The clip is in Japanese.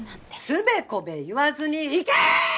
つべこべ言わずに行け！！